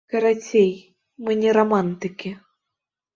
Карацей, мы не рамантыкі.